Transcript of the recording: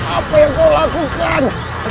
apa yang kau lakukan